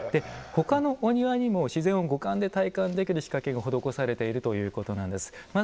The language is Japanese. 他のお庭にも自然を五感で体験できる仕掛けが施されているということなんです。